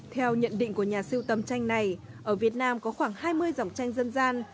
theo nhận định của nhà siêu tầm tranh này ở việt nam có khoảng hai mươi dòng tranh dân gian